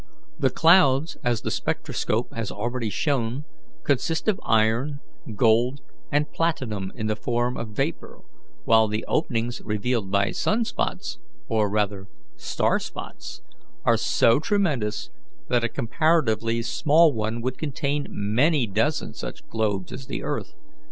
The clouds, as the spectroscope has already shown, consist of iron, gold, and platinum in the form of vapour, while the openings revealed by sun spots, or rather star spots, are so tremendous that a comparatively small one would contain many dozen such globes as the earth.